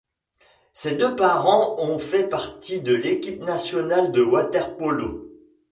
Ses deux parents ont fait partie de l’équipe nationale de water-polo.